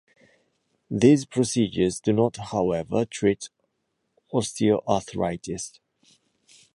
These procedures do not, however, treat osteoarthritis.